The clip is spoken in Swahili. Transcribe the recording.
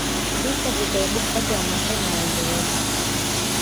Vita vikaibuka kati ya Wamasai na Waingereza